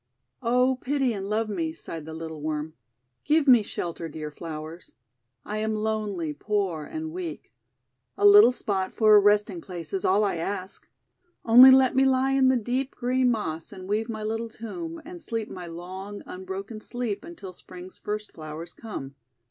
"Oh, pity and love me," sighed the little Worm. ''Give me shelter, dear Flowers. I am lonely, poor, and weak. A little spot for a rest ing place is all I ask. Only let me lie in the deep, green Moss, and weave my little tomb, and sleep my long, unbroken sleep, until Spring's first flowers come.